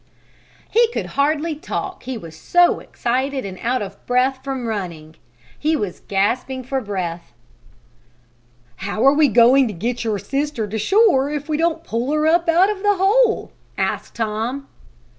He could hardly talk he was so excited and out of breath from running. He was gasping for breath. "How we going to get your sister to shore if we don't pull her up out of the hole?" asked Tom.